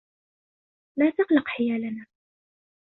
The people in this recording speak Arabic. لا تقلق حيالنا.